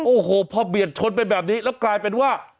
โอ้โหพอเบียดชนไปแบบนี้แล้วกลายเป็นว่า